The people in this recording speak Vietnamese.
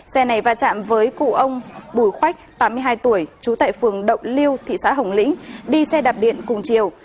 xe này va chạm với cụ ông bùi khoách tám mươi hai tuổi trú tại phường động liêu thị xã hồng lĩnh đi xe đạp điện cùng chiều